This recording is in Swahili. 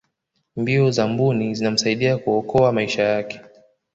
mbio za mbuni zinamsaidia kuokoa maisha yake